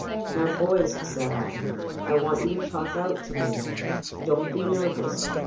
" Now, boys," said I, " I want you to talk out to me. Don't be nervous.